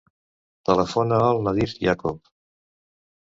Telefona al Nadir Iacob.